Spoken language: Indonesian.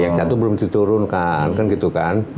yang satu belum diturunkan